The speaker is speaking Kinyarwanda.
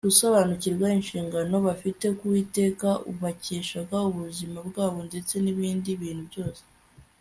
gusobanukirwa inshingano bafite ku Uwiteka bakeshaga ubuzima bwabo ndetse nibindi bintu byose